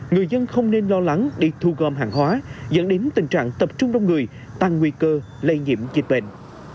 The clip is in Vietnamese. người dân không nên lo lắng đi thu gom hàng hóa dẫn đến tình trạng tập trung đông người tăng nguy cơ lây nhiễm dịch bệnh